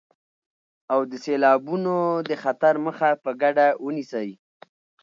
او د سيلابونو د خطر مخه په ګډه ونيسئ.